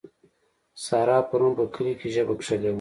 سارا پرون په کلي کې ژبه کښلې وه.